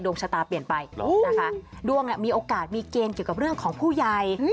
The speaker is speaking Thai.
ชะตาเปลี่ยนไปนะคะดวงมีโอกาสมีเกณฑ์เกี่ยวกับเรื่องของผู้ใหญ่